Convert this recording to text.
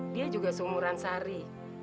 dia juga seumuran sari